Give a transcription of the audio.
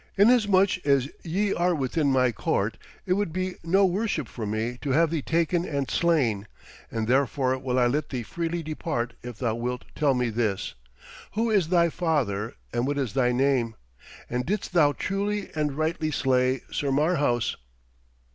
Inasmuch as ye are within my court it would be no worship for me to have thee taken and slain, and therefore will I let thee freely depart if thou wilt tell me this: Who is thy father and what is thy name? And didst thou truly and rightly slay Sir Marhaus?'